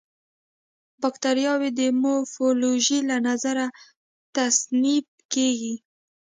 باکټریاوې د مورفولوژي له نظره تصنیف کیږي.